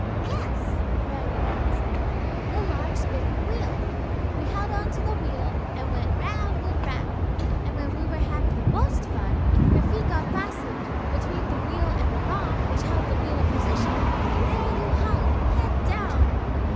"Yes," Raggedy Ann said. "The large spinning wheel. We held on to the wheel and went round and round! And when we were having the most fun, your feet got fastened between the wheel and the rod which held the wheel in position and there you hung, head down!"